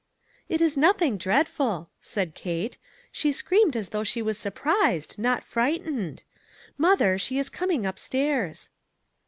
"It is nothing dreadful," said Kate; "she screamed as though she was surprised, not frightened. Mother, she is coming up stairs."